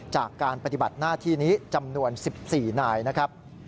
จากการปฏิบัติหน้าที่นี้จำนวน๑๔นายนะครับ